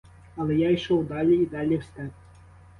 Але я йшов далі і далі в степ.